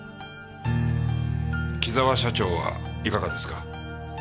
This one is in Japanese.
紀沢社長はいかがですか？